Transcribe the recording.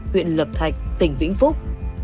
huyện lập thạch tỉnh vĩnh phúc